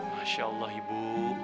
masya allah ibu